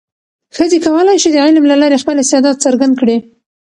ښځې کولای شي د علم له لارې خپل استعداد څرګند کړي.